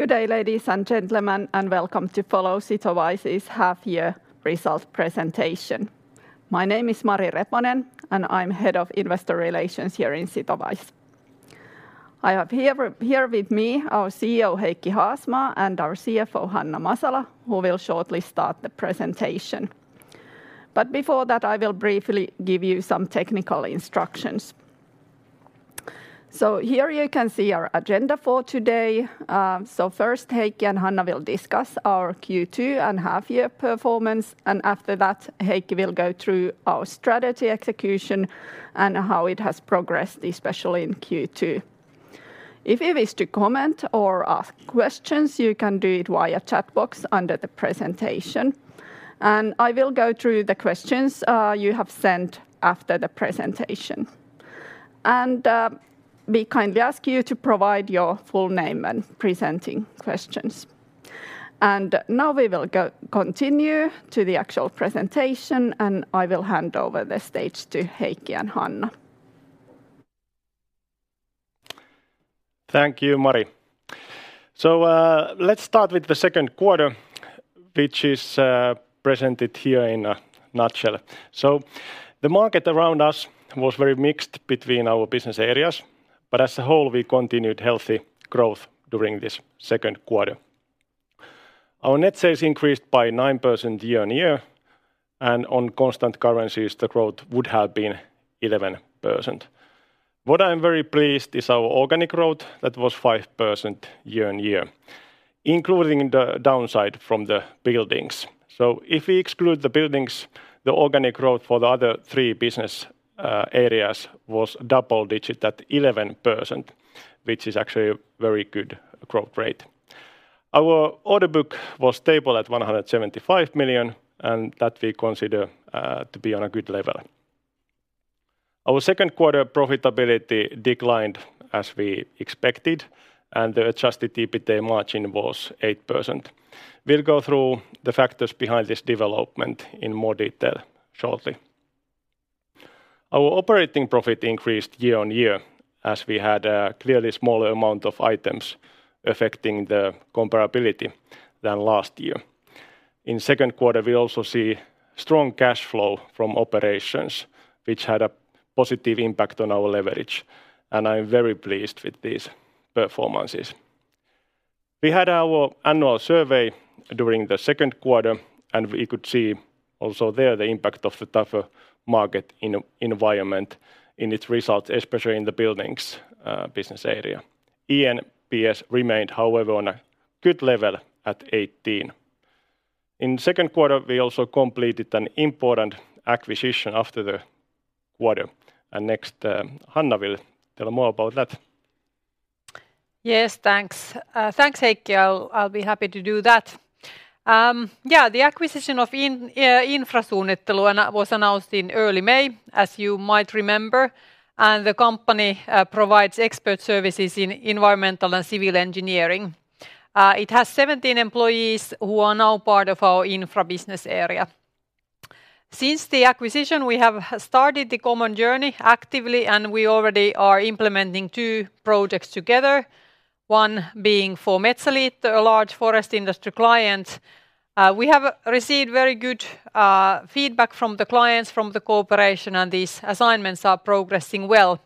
Good day, ladies and gentlemen, welcome to follow Sitowise's half-year results presentation. My name is Mari Reponen, I'm Head of Investor Relations here in Sitowise. I have here here with me our CEO, Heikki Haasmaa, and our CFO, Hanna Masala, who will shortly start the presentation. Before that, I will briefly give you some technical instructions. Here you can see our agenda for today. First, Heikki and Hanna will discuss our Q2 and half-year performance, and after that, Heikki will go through our strategy execution and how it has progressed, especially in Q2. If you wish to comment or ask questions, you can do it via chat box under the presentation, and I will go through the questions you have sent after the presentation. We kindly ask you to provide your full name when presenting questions. Now we will continue to the actual presentation, and I will hand over the stage to Heikki and Hanna. Thank you, Mari. Let's start with the second quarter, which is presented here in a nutshell. The market around us was very mixed between our business areas, but as a whole, we continued healthy growth during this second quarter. Our net sales increased by 9% year-on-year, and on constant currencies, the growth would have been 11%. What I'm very pleased is our organic growth. That was 5% year-on-year, including the downside from the Buildings. If we exclude the Buildings, the organic growth for the other thre business areas was double-digit, at 11%, which is actually a very good growth rate. Our order book was stable at 175 million, and that we consider to be on a good level. Our second quarter profitability declined as we expected. The adjusted EBITDA margin was 8%. We'll go through the factors behind this development in more detail shortly. Our operating profit increased year-on-year, as we had a clearly smaller amount of items affecting the comparability than last year. In second quarter, we also see strong cash flow from operations, which had a positive impact on our leverage, and I'm very pleased with these performances. We had our annual survey during the second quarter, and we could see also there the impact of the tougher market environment in its results, especially in the Buildings business area. eNPS remained, however, on a good level at 18. In second quarter, we also completed an important acquisition after the quarter, and next, Hanna will tell more about that. Yes, thanks. Thanks, Heikki. I'll, I'll be happy to do that. Yeah, the acquisition of Infrasuunnittelu, that was announced in early May, as you might remember, the company provides expert services in environmental and civil engineering. It has 17 employees, who are now part of our Infra business area. Since the acquisition, we have started the common journey actively, we already are implementing two projects together, one being for Metsäliitto, a large forest industry client. We have received very good feedback from the clients, from the cooperation, these assignments are progressing well.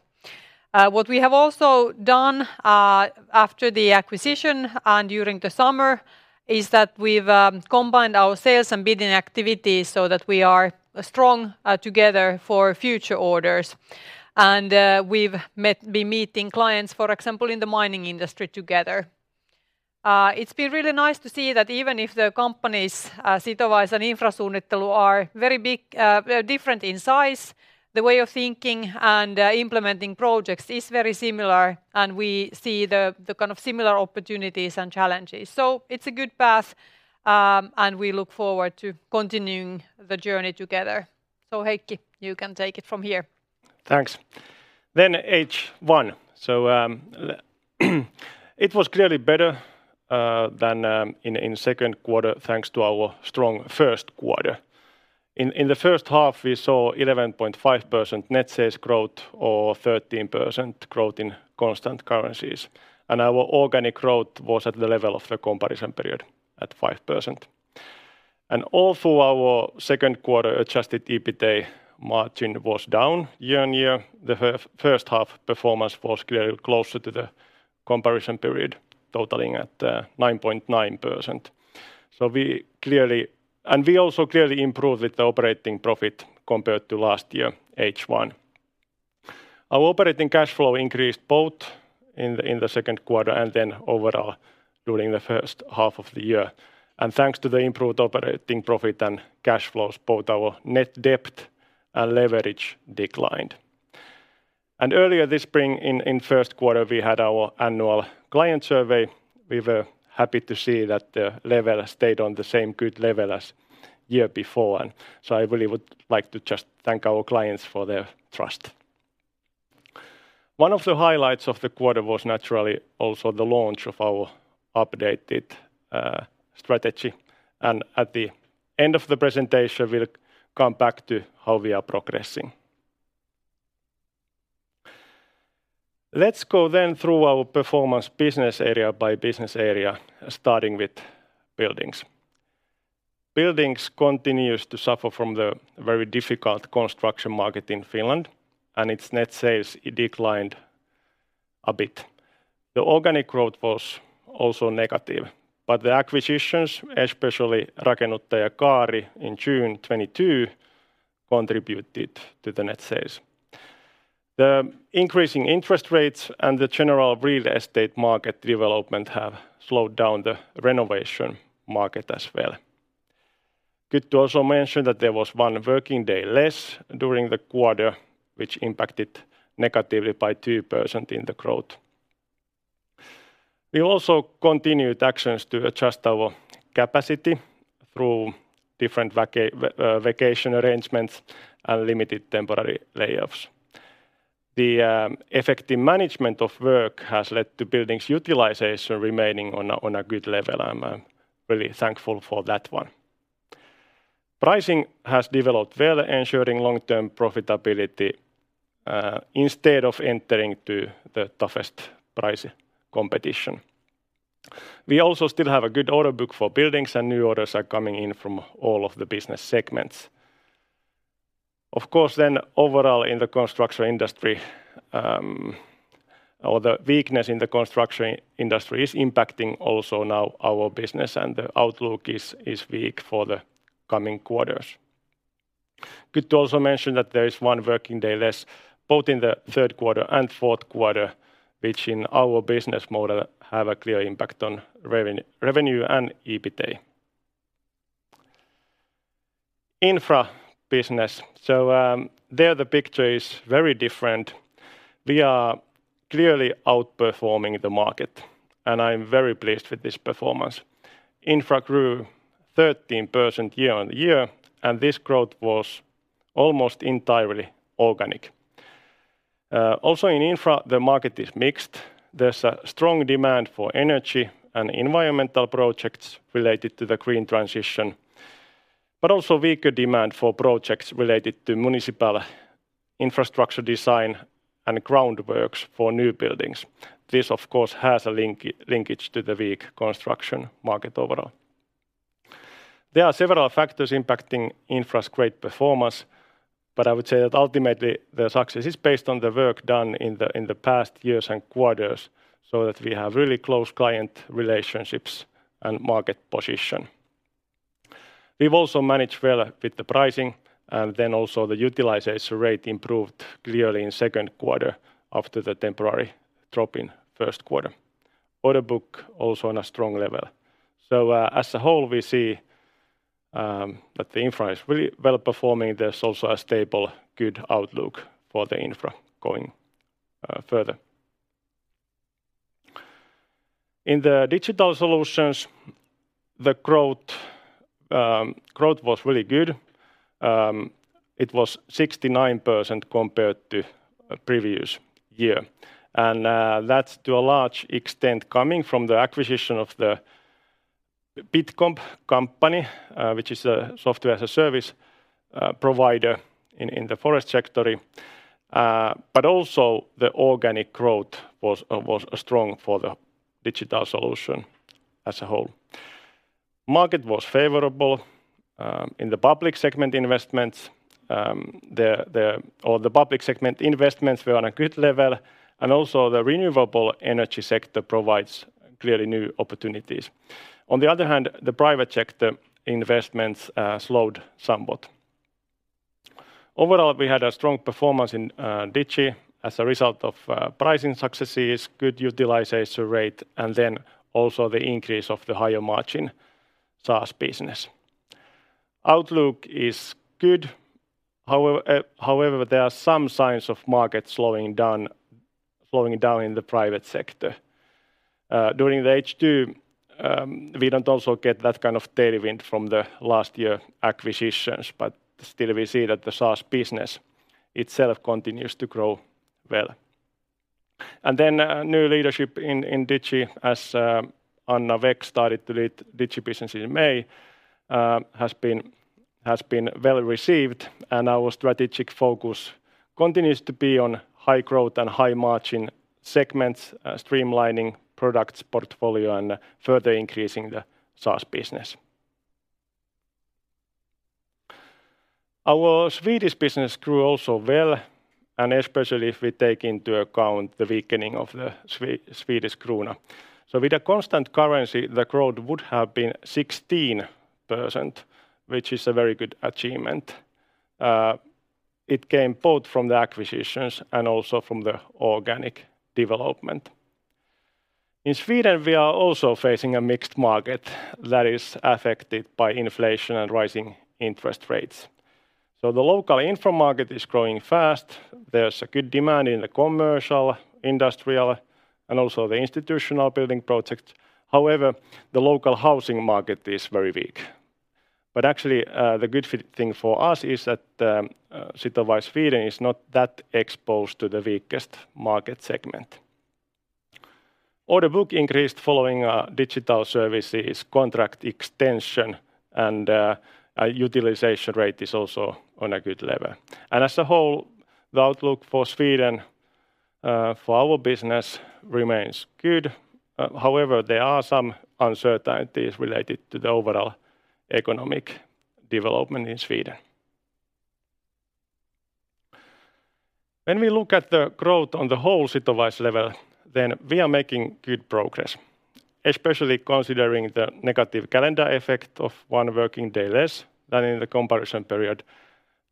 What we have also done, after the acquisition and during the summer, is that we've combined our sales and bidding activities so that we are strong together for future orders. We've been meeting clients, for example, in the mining industry together. It's been really nice to see that even if the companies, Sitowise and Infrasuunnittelu, are very big, different in size, the way of thinking and implementing projects is very similar, and we see the, the kind of similar opportunities and challenges. It's a good path, and we look forward to continuing the journey together. Heikki, you can take it from here. Thanks. H1. It was clearly better than in, in second quarter, thanks to our strong first quarter. In, in the first half, we saw 11.5% net sales growth or 13% growth in constant currencies, and our organic growth was at the level of the comparison period, at 5%. Although our second quarter adjusted EBITDA margin was down year-on-year, the first half performance was clearly closer to the comparison period, totaling at 9.9%. We also clearly improved with the operating profit compared to last year, H1. Our operating cash flow increased both in the, in the second quarter and then overall during the first half of the year. Thanks to the improved operating profit and cash flows, both our net debt and leverage declined. Earlier this spring, in Q1, we had our annual client survey. We were happy to see that the level stayed on the same good level as year before. I really would like to just thank our clients for their trust. One of the highlights of the quarter was naturally also the launch of our updated strategy. At the end of the presentation, we'll come back to how we are progressing. Let's go through our performance business area by business area, starting with Buildings. Buildings continues to suffer from the very difficult construction market in Finland. Its net sales declined a bit. The organic growth was also negative. The acquisitions, especially Rakennuttajakaari Oy in June 2022, contributed to the net sales. The increasing interest rates and the general real estate market development have slowed down the renovation market as well. Good to also mention that there was one working day less during the quarter, which impacted negatively by 2% in the growth. We also continued actions to adjust our capacity through different vacation arrangements and limited temporary layoffs. The effective management of work has led to Buildings' utilization remaining on a good level, and I'm really thankful for that one. Pricing has developed well, ensuring long-term profitability, instead of entering to the toughest price competition. We also still have a good order book for Buildings, and new orders are coming in from all of the business segments. Of course, overall in the construction industry, or the weakness in the construction industry is impacting also now our business, and the outlook is weak for the coming quarters. Good to also mention that there is one working day less, both in the third quarter and fourth quarter, which in our business model have a clear impact on revenue and EBITA. Infra business. There the picture is very different. We are clearly outperforming the market, and I'm very pleased with this performance. Infra grew 13% year-on-year, and this growth was almost entirely organic. Also in Infra, the market is mixed. There's a strong demand for energy and environmental projects related to the green transition, but also weaker demand for projects related to municipal infrastructure design and groundworks for new buildings. This, of course, has a linkage to the weak construction market overall. There are several factors impacting Infra's great performance. I would say that ultimately, the success is based on the work done in the past years and quarters, so that we have really close client relationships and market position. We've also managed well with the pricing, then also the utilization rate improved clearly in second quarter after the temporary drop in first quarter. Order book also on a strong level. As a whole, we see that the Infra is really well-performing. There's also a stable, good outlook for the Infra going further. In the Digital Solutions, growth was really good. It was 69% compared to previous year, that's to a large extent coming from the acquisition of the Bitcomp company, which is a software-as-a-service provider in the forest sector. Also the organic growth was strong for the Digital Solution as a whole. Market was favorable in the public segment investments. The public segment investments were on a good level, and also the renewable energy sector provides clearly new opportunities. On the other hand, the private sector investments slowed somewhat. Overall, we had a strong performance in Digi as a result of pricing successes, good utilization rate, and then also the increase of the higher margin SaaS business. Outlook is good, however, however, there are some signs of market slowing down, slowing down in the private sector. During the H2, we don't also get that kind of tailwind from the last year acquisitions, still we see that the SaaS business itself continues to grow well. New leadership in Digi, as Anna Weck started to lead Digi business in May, has been well-received, and our strategic focus continues to be on high growth and high-margin segments, streamlining products portfolio, and further increasing the SaaS business. Our Swedish business grew also well, especially if we take into account the weakening of the Swedish krona. With a constant currency, the growth would have been 16%, which is a very good achievement. It came both from the acquisitions and also from the organic development. In Sweden, we are also facing a mixed market that is affected by inflation and rising interest rates. The local Infra market is growing fast. There's a good demand in the commercial, industrial, and also the institutional building projects. However, the local housing market is very weak. Actually, the good thing for us is that Sitowise Sweden is not that exposed to the weakest market segment. Order book increased following digital services contract extension, utilization rate is also on a good level. As a whole, the outlook for Sweden for our business remains good. However, there are some uncertainties related to the overall economic development in Sweden. When we look at the growth on the whole Sitowise level, then we are making good progress, especially considering the negative calendar effect of 1 working day less than in the comparison period,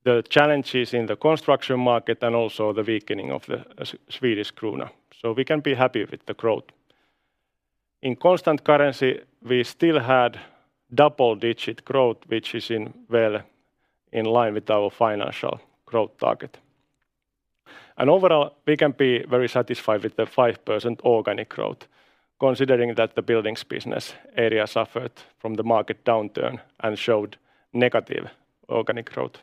the challenges in the construction market, and also the weakening of the Swedish krona. We can be happy with the growth. In constant currency, we still had double-digit growth, which is in well in line with our financial growth target. Overall, we can be very satisfied with the 5% organic growth, considering that the Buildings business area suffered from the market downturn and showed negative organic growth.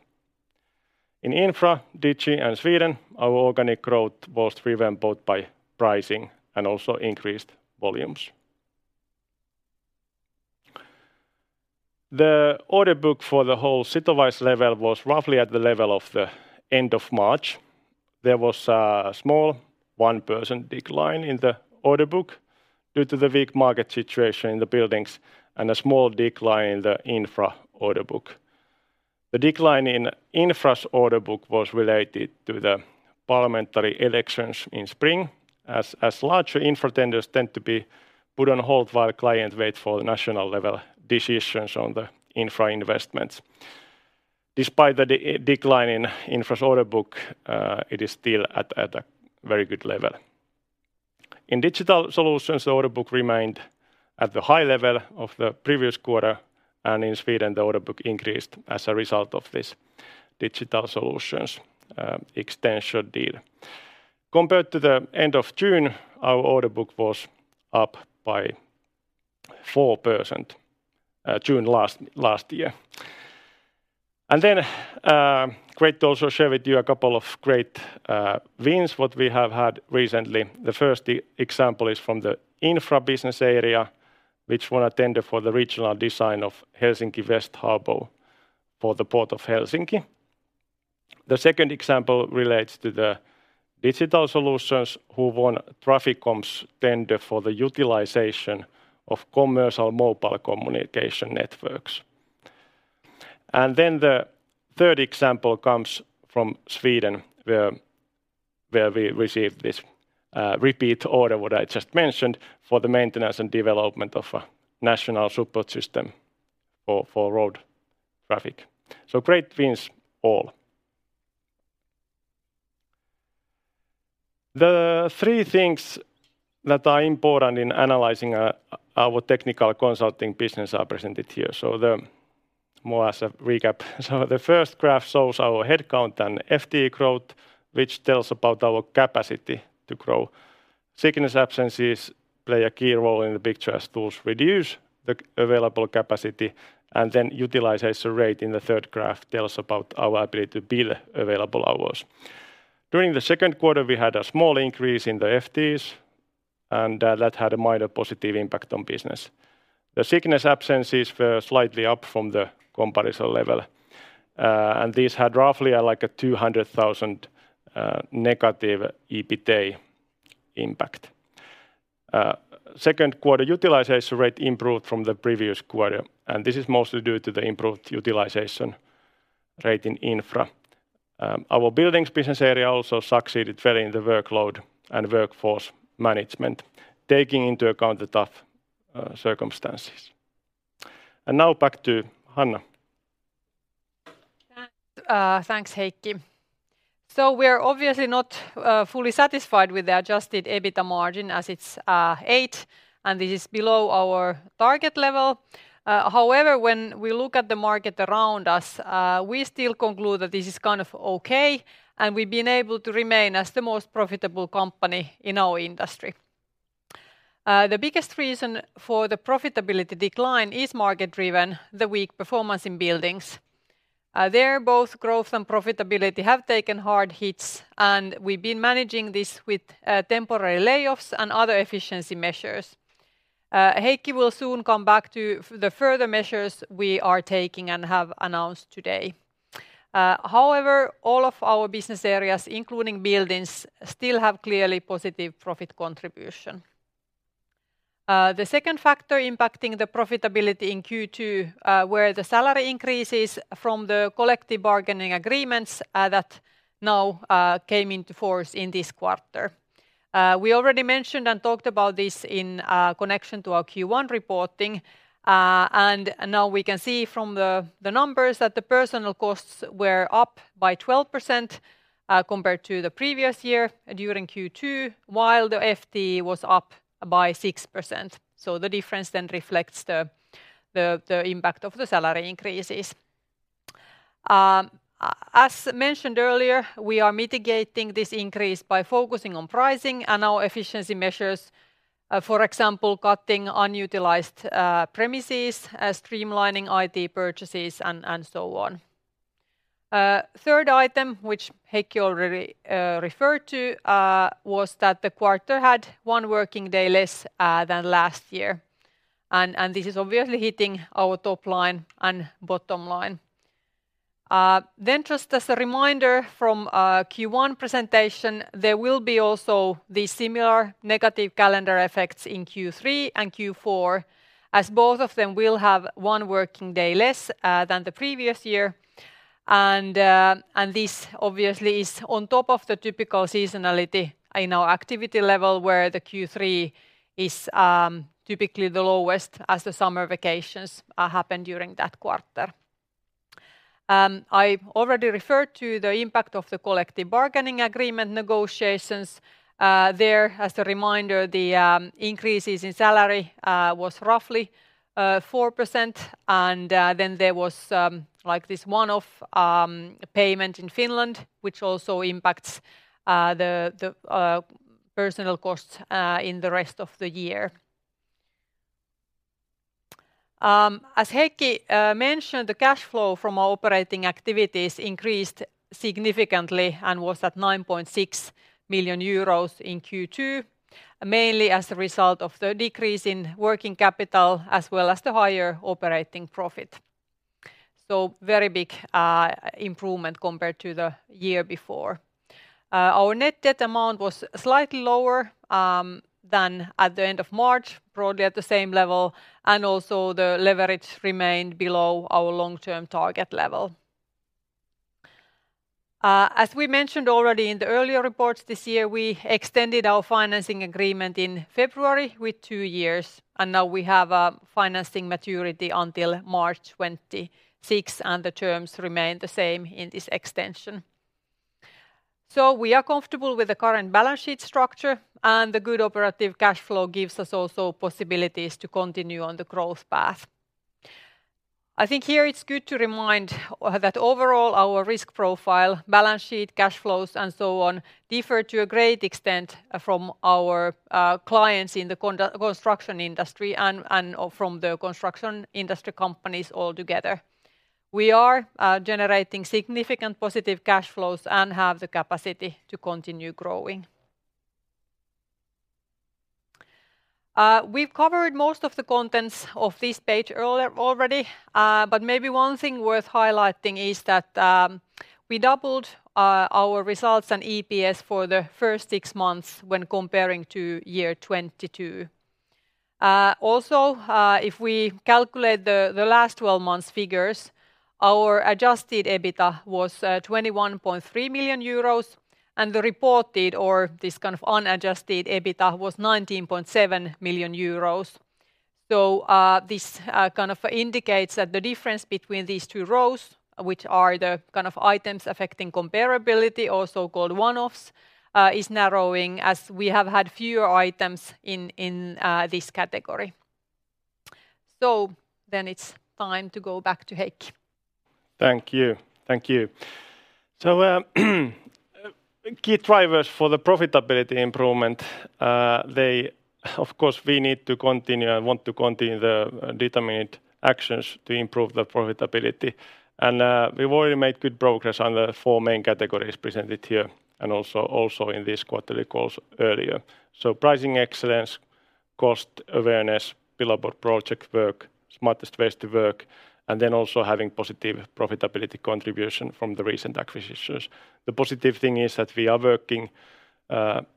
In Infra, Digi, and Sweden, our organic growth was driven both by pricing and also increased volumes. The order book for the whole Sitowise level was roughly at the level of the end of March. There was a small 1% decline in the order book due to the weak market situation in the buildings and a small decline in the Infra order book. The decline in Infra's order book was related to the parliamentary elections in spring, as large Infra tenders tend to be put on hold while clients wait for national-level decisions on the Infra investments. Despite the decline in Infra's order book, it is still at a very good level. In Digital Solutions, the order book remained at the high level of the previous quarter, and in Sweden, the order book increased as a result of this Digital Solutions' extension deal. Compared to the end of June, our order book was up by 4%, June last year. Then, great to also share with you a couple of great wins what we have had recently. The first example is from the Infra business area, which won a tender for the regional design of Helsinki West Harbor for the Port of Helsinki. The second example relates to the Digital Solutions, who won Traficom's tender for the utilization of commercial mobile communication networks. The third example comes from Sweden, where, where we received this repeat order, what I just mentioned, for the maintenance and development of a national support system for, for road traffic. Great wins all. The three things that are important in analyzing our technical consulting business are presented here. More as a recap. The first graph shows our headcount and FTE growth, which tells about our capacity to grow. Sickness absences play a key role in the picture, as those reduce the available capacity, and then utilization rate in the third graph tells about our ability to bill available hours. During the second quarter, we had a small increase in the FTEs, and that had a minor positive impact on business. The sickness absences were slightly up from the comparison level, and these had roughly, like a 200,000 negative EBITA impact. Q2 utilization rate improved from the previous quarter, and this is mostly due to the improved utilization rate in Infra. Our Buildings business area also succeeded fairly in the workload and workforce management, taking into account the tough circumstances. Now back to Hanna. Thanks, Heikki. We're obviously not fully satisfied with the adjusted EBITA margin, as it's eight, and this is below our target level. However, when we look at the market around us, we still conclude that this is kind of okay, and we've been able to remain as the most profitable company in our industry. The biggest reason for the profitability decline is market-driven, the weak performance in Buildings. There, both growth and profitability have taken hard hits, and we've been managing this with temporary layoffs and other efficiency measures. Heikki will soon come back to the further measures we are taking and have announced today. However, all of our business areas, including Buildings, still have clearly positive profit contribution. The second factor impacting the profitability in Q2 were the salary increases from the collective bargaining agreements that now came into force in this quarter. We already mentioned and talked about this in connection to our Q1 reporting, and now we can see from the, the numbers that the personal costs were up by 12% compared to the previous year during Q2, while the FTE was up by 6%. The difference then reflects the, the, the impact of the salary increases. As mentioned earlier, we are mitigating this increase by focusing on pricing and our efficiency measures, for example, cutting unutilized premises, streamlining IT purchases, and, and so on. Third item, which Heikki already referred to, was that the quarter had 1 working day less than last year. This is obviously hitting our top line and bottom line. Just as a reminder from our Q1 presentation, there will be also the similar negative calendar effects in Q3 and Q4, as both of them will have 1 working day less than the previous year. This obviously is on top of the typical seasonality in our activity level, where the Q3 is typically the lowest, as the summer vacations happen during that quarter. I already referred to the impact of the collective bargaining agreement negotiations. There, as a reminder, the increases in salary was roughly 4%, then there was like this one-off payment in Finland, which also impacts the personal costs in the rest of the year. As Heikki mentioned, the cash flow from our operating activities increased significantly and was at 9.6 million euros in Q2, mainly as a result of the decrease in working capital, as well as the higher operating profit. Very big improvement compared to the year before. Our net debt amount was slightly lower than at the end of March, broadly at the same level, and also the leverage remained below our long-term target level. As we mentioned already in the earlier reports this year, we extended our financing agreement in February with two years, and now we have a financing maturity until March 2026, and the terms remain the same in this extension. We are comfortable with the current balance sheet structure, and the good operative cash flow gives us also possibilities to continue on the growth path. I think here it's good to remind that overall, our risk profile, balance sheet, cash flows, and so on, differ to a great extent from our clients in the construction industry and from the construction industry companies altogether. We are generating significant positive cash flows and have the capacity to continue growing. We've covered most of the contents of this page earlier already, but maybe one thing worth highlighting is that we doubled our results and EPS for the first six months when comparing to year 2022. Also, if we calculate the last 12 months' figures, our adjusted EBITDA was 21.3 million euros, and the reported, or this kind of unadjusted, EBITDA was 19.7 million euros. This kind of indicates that the difference between these two rows, which are the kind of items affecting comparability, or so-called one-offs, is narrowing, as we have had fewer items in, in this category. Then it's time to go back to Heikki. Thank you. Thank you. Key drivers for the profitability improvement, Of course, we need to continue and want to continue the determined actions to improve the profitability, we've already made good progress on the four main categories presented here, and also, also in this quarterly calls earlier. Pricing excellence, cost awareness, billable project work, smartest ways to work, and then also having positive profitability contribution from the recent acquisitions. The positive thing is that we are working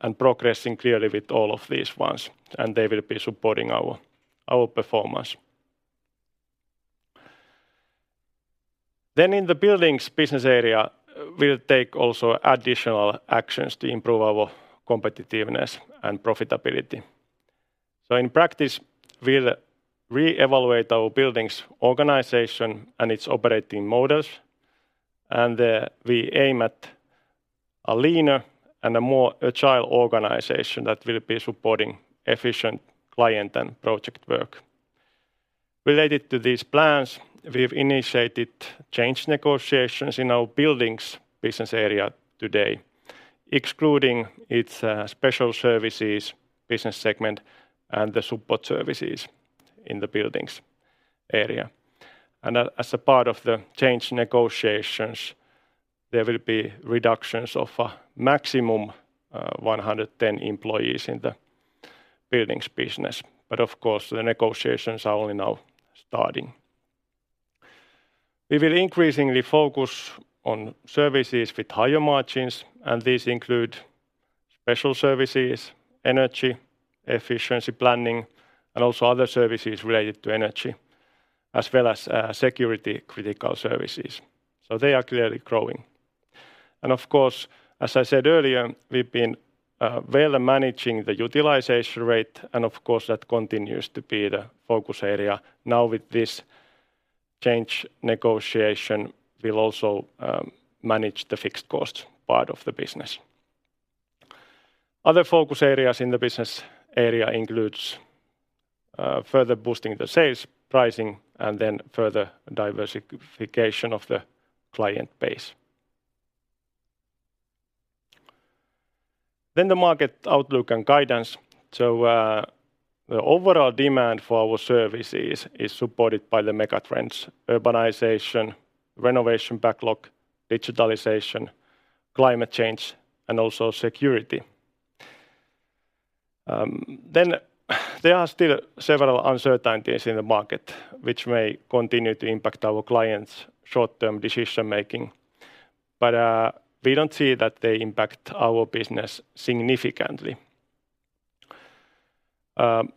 and progressing clearly with all of these ones, and they will be supporting our, our performance. In the Buildings business area, we'll take also additional actions to improve our competitiveness and profitability. In practice, we'll re-evaluate our Buildings' organization and its operating models, we aim at a leaner and a more agile organization that will be supporting efficient client and project work. Related to these plans, we've initiated change negotiations in our Buildings business area today, excluding its special services business segment and the support services in the Buildings area. As a part of the change negotiations, there will be reductions of a maximum 110 employees in the Buildings business. Of course, the negotiations are only now starting. We will increasingly focus on services with higher margins, and these include special services, energy, efficiency planning, and also other services related to energy, as well as security-critical services. They are clearly growing. Of course, as I said earlier, we've been well managing the utilization rate, and of course, that continues to be the focus area. Now with this change negotiation, we'll also manage the fixed cost part of the business. Other focus areas in the business area includes further boosting the sales, pricing, and further diversification of the client base. The market outlook and guidance. The overall demand for our services is supported by the mega trends: urbanization, renovation backlog, digitalization, climate change, and also security. There are still several uncertainties in the market, which may continue to impact our clients' short-term decision making, but we don't see that they impact our business significantly.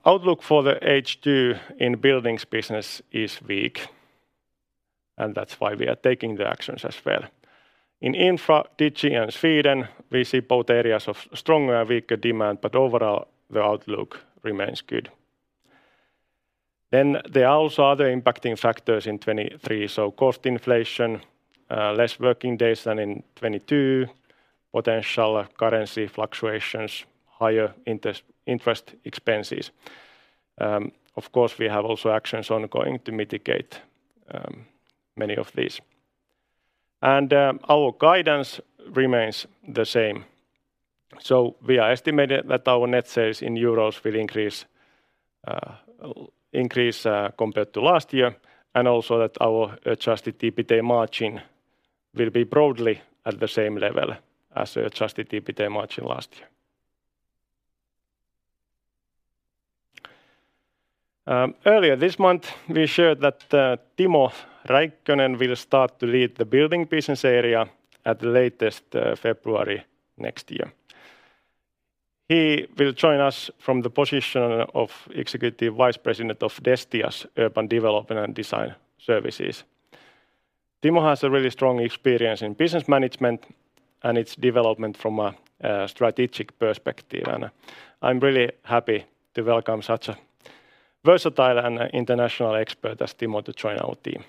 Outlook for the H2 in Buildings business is weak, and that's why we are taking the actions as well. In Infra, Digi, and Sweden, we see both areas of stronger and weaker demand, overall, the outlook remains good. There are also other impacting factors in 2023: cost inflation, less working days than in 2022, potential currency fluctuations, higher interest expenses. Of course, we have also actions ongoing to mitigate many of these. Our guidance remains the same. We are estimating that our net sales in euros will increase, increase compared to last year, and also that our adjusted EBITA margin will be broadly at the same level as the adjusted EBITA margin last year. Earlier this month, we shared that Timo Räikkönen will start to lead the Buildings business area at the latest, February next year. He will join us from the position of Executive Vice President of Destia's Urban Development and Design Services. Timo has a really strong experience in business management and its development from a strategic perspective, and I'm really happy to welcome such a versatile and international expert as Timo to join our team.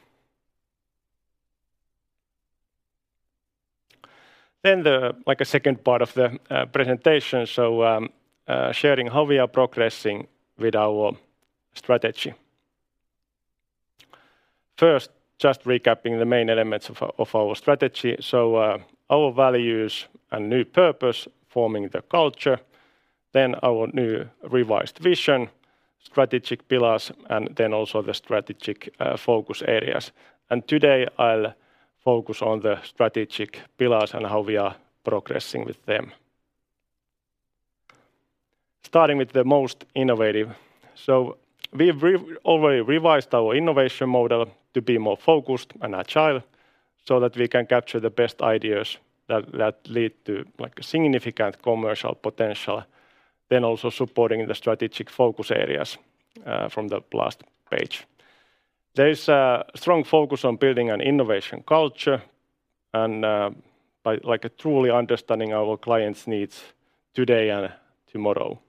Then like a second part of the presentation, sharing how we are progressing with our strategy. First, just recapping the main elements of our, of our strategy. Our values and new purpose, forming the culture, then our new revised vision, strategic pillars, and then also the strategic focus areas. Today I'll focus on the strategic pillars and how we are progressing with them. Starting with the most innovative. We've already revised our innovation model to be more focused and agile so that we can capture the best ideas that, that lead to, like, a significant commercial potential, then also supporting the strategic focus areas from the last page. There is a strong focus on building an innovation culture and, by, like, truly understanding our clients' needs today and tomorrow.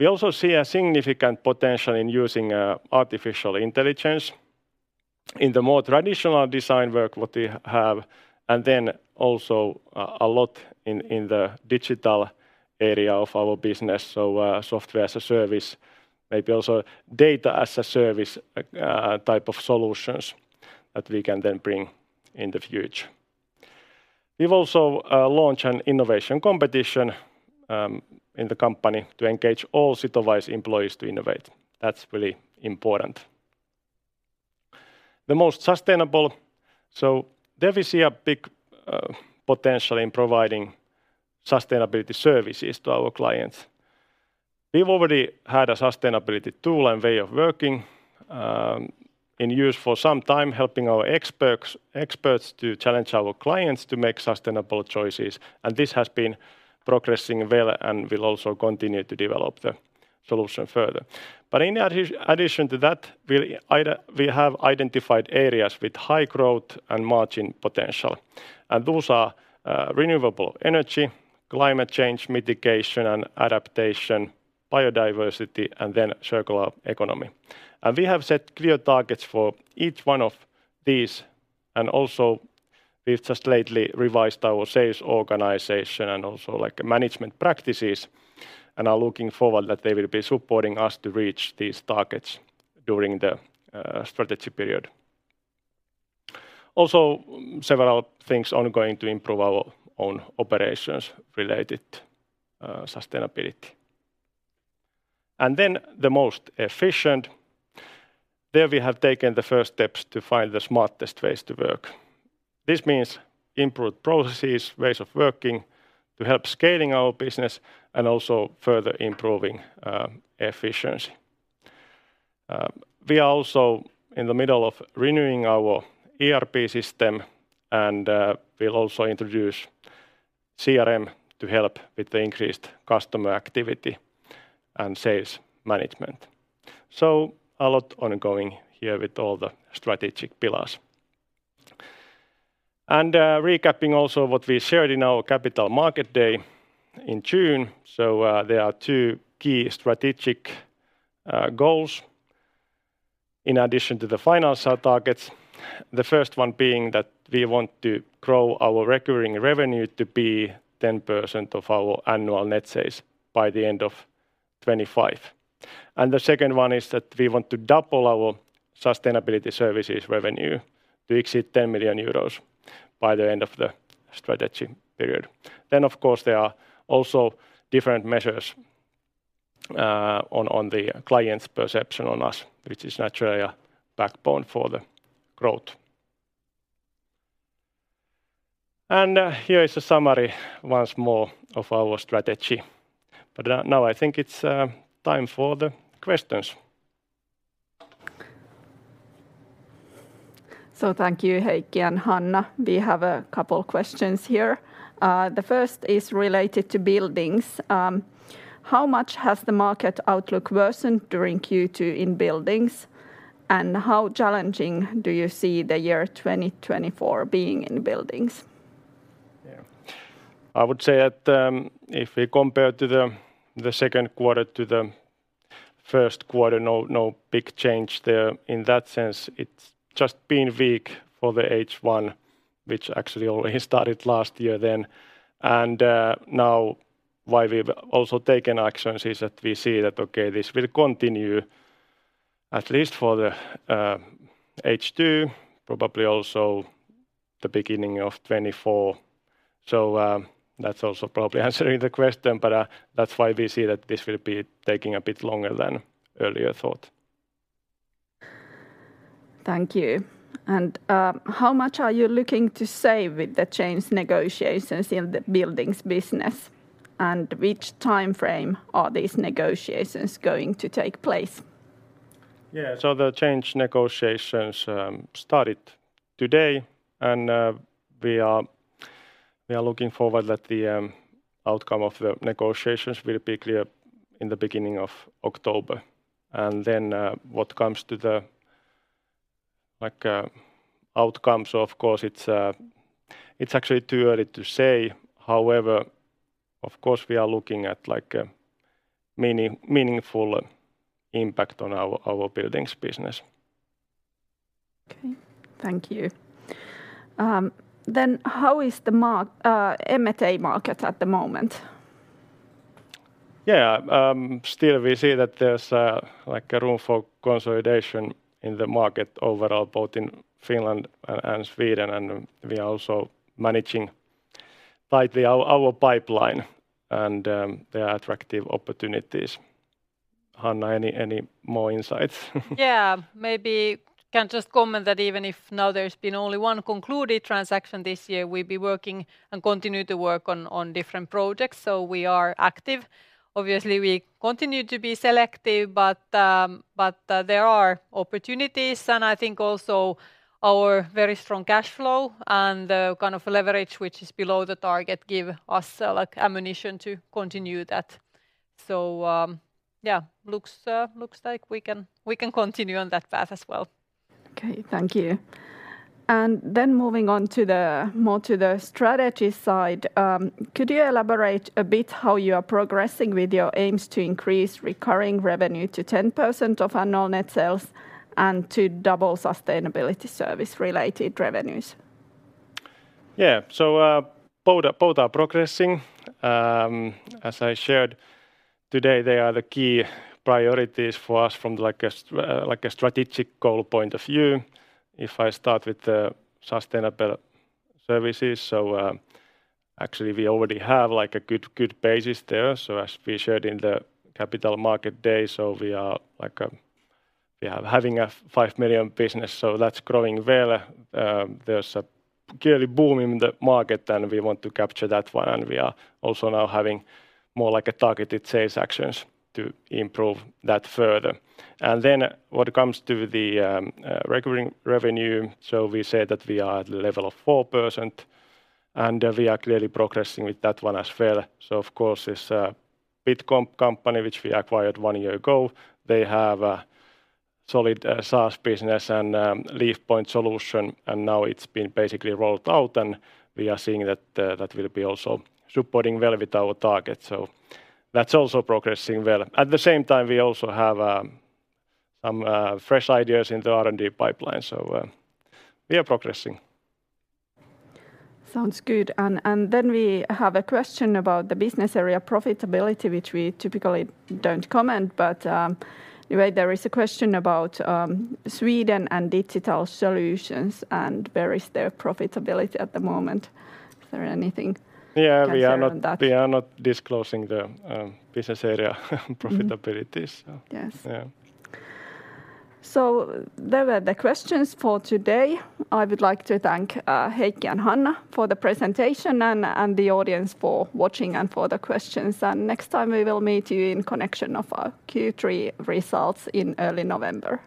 We also see a significant potential in using artificial intelligence in the more traditional design work what we have, and then also a lot in the digital area of our business, so software-as-a-service, maybe also Data as a Service, type of solutions that we can then bring in the future. We've also launched an innovation competition in the company to engage all Sitowise employees to innovate. That's really important. The most sustainable, there we see a big potential in providing sustainability services to our clients. We've already had a sustainability tool and way of working in use for some time, helping our experts, experts to challenge our clients to make sustainable choices, this has been progressing well and will also continue to develop the solution further. In addition to that, we'll we have identified areas with high growth and margin potential, and those are renewable energy, climate change mitigation and adaptation, biodiversity, and then circular economy. We have set clear targets for each one of these, and also we've just lately revised our sales organization and also, like, management practices, and are looking forward that they will be supporting us to reach these targets during the strategy period. Also, several things are going to improve our own operations related sustainability. The most efficient, there we have taken the first steps to find the smartest ways to work. This means improved processes, ways of working to help scaling our business, and also further improving efficiency. We are also in the middle of renewing our ERP system, and we'll also introduce CRM to help with the increased customer activity and sales management. A lot ongoing here with all the strategic pillars. Recapping also what we shared in our Capital Markets Day in June. There are 2 key strategic goals in addition to the financial targets. The first one being that we want to grow our recurring revenue to be 10% of our annual net sales by the end of 2025. The second one is that we want to double our sustainability services revenue to exceed 10 million euros by the end of the strategy period. Of course, there are also different measures on, on the clients' perception on us, which is naturally a backbone for the growth. Here is a summary once more of our strategy. Now I think it's time for the questions. Thank you, Heikki and Hanna. We have a couple questions here. The first is related to Buildings. How much has the market outlook worsened during Q2 in Buildings, and how challenging do you see the year 2024 being in Buildings? Yeah. I would say that, if we compare to the, the second quarter to the first quarter, no, no big change there. In that sense, it's just been weak for the H1, which actually already started last year then. Now why we've also taken actions is that we see that, okay, this will continue at least for the H2, probably also the beginning of 2024. That's also probably answering the question. That's why we see that this will be taking a bit longer than earlier thought. Thank you. How much are you looking to save with the change negotiations in the Buildings business, and which timeframe are these negotiations going to take place? The change negotiations started today, and we are, we are looking forward that the outcome of the negotiations will be clear in the beginning of October. What comes to the, like, outcomes, of course, it's, it's actually too early to say. However, of course, we are looking at, like, a meaning- meaningful impact on our, our Buildings business. Okay. Thank you. How is the M&A market at the moment? Yeah, still we see that there's, like, a room for consolidation in the market overall, both in Finland and Sweden, and we are also managing tightly our, our pipeline, and there are attractive opportunities. Hanna, any, any more insights? Yeah. Maybe can just comment that even if now there's been only one concluded transaction this year, we've been working and continue to work on, on different projects, so we are active. Obviously, we continue to be selective, but, but, there are opportunities, and I think also our very strong cash flow and the kind of leverage, which is below the target, give us, like, ammunition to continue that. Yeah, looks, looks like we can, we can continue on that path as well. Okay, thank you. Moving on to the... more to the strategy side, could you elaborate a bit how you are progressing with your aims to increase recurring revenue to 10% of annual net sales and to double sustainability service-related revenues? Yeah, both are progressing. As I shared today, they are the key priorities for us from, like, a strategic goal point of view. If I start with the sustainable services, actually we already have, like, a good, good basis there. As we shared in the Capital Markets Day, we are, like, we are having a 5 million business, that's growing well. There's a clearly boom in the market, and we want to capture that one, and we are also now having more like a targeted sales actions to improve that further. Then when it comes to the recurring revenue, we say that we are at the level of 4%, and we are clearly progressing with that one as well. Of course, this Bitcomp company, which we acquired one year ago, they have a solid SaaS business and LeafPoint solution. Now it's been basically rolled out. We are seeing that that will be also supporting well with our target. That's also progressing well. At the same time, we also have some fresh ideas in the R&D pipeline. We are progressing. Sounds good. Then we have a question about the business area profitability, which we typically don't comment, but anyway, there is a question about Sweden and Digital Solutions, and where is their profitability at the moment. Yeah- you can share on that? We are not, we are not disclosing the business area profitabilities. Mm-hmm. So Yes. Yeah. Those were the questions for today. I would like to thank Heikki and Hanna for the presentation, and the audience for watching and for the questions. Next time we will meet you in connection of our Q3 results in early November.